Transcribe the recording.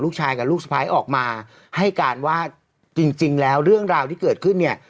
ลูกชายกับลูกสะพ้ายออกมาให้การว่าจริงแล้วเรื่องราวที่เกิดขึ้นเนี่ย